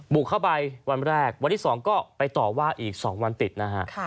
บุกเข้าไปวันแรกวันที่๒ก็ไปต่อว่าอีก๒วันติดนะฮะ